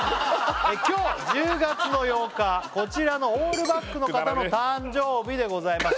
今日１０月の８日こちらのオールバックの方の誕生日でございます